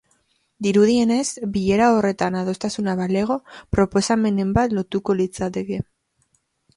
Dirudienez, bilera horretan adostasuna balego, proposamenen bat lotuko litzateke.